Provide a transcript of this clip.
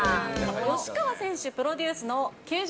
吉川選手プロデュースの球場